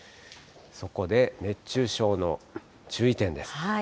そこで、熱中症の注意点です。